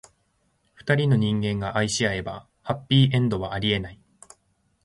二人の人間が愛し合えば、ハッピーエンドはありえない。